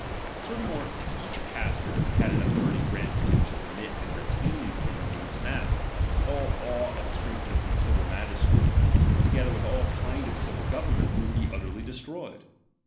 Furthermore, if each pastor had an authority granted him to remit and retain sins in this manner, all awe of princes and civil magistrates, together with all kind of civil government would be utterly destroyed.